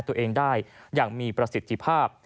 ตัวเองได้อย่างมีประสิทธิภาพ